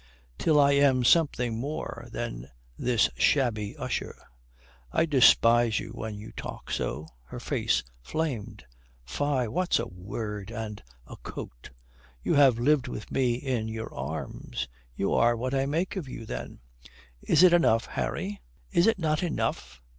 "Till I am something more than this shabby usher." "I despise you when you talk so." Her face flamed. "Fie, what's a word and a coat? You have lived with me in your arms. You are what I make of you then. Is it enough, Harry, is it not enough?"